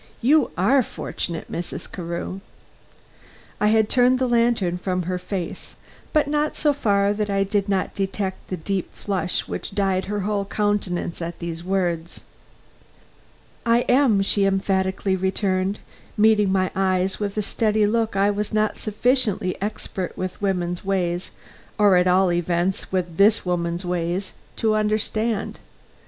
You are fortunate, Mrs. Carew." I had turned the lantern from her face, but not so far that I did not detect the deep flush which dyed her whole countenance at these words. "I am," she emphatically returned, meeting my eyes with a steady look I was not sufficiently expert with women's ways, or at all events with this woman's ways, to understand.